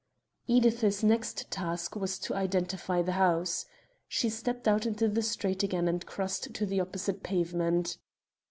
Edith's next task was to identify the house. She stepped out into the street again and crossed to the opposite pavement.